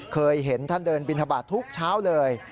เคยเห็นท่านเดินบินทบาททุกเช้าเลย